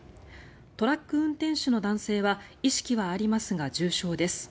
トラック運転手の男性は意識はありますが重傷です。